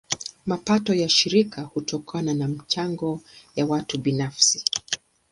Mapato ya shirika hutokana na michango ya watu binafsi.